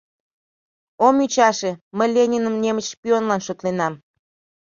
Ом ӱчаше, мый Лениным немыч шпионлан шотленам.